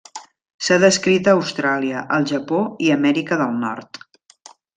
S'ha descrit a Austràlia, el Japó i Amèrica del Nord.